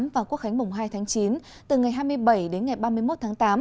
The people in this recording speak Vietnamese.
và quốc khánh mùng hai tháng chín từ ngày hai mươi bảy đến ngày ba mươi một tháng tám